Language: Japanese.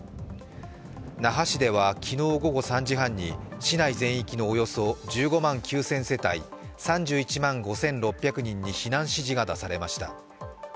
那覇市では、昨日午後３時半に市内全域のおよそ１５万９０００世帯、３１万５６００人に避難指示が出されました。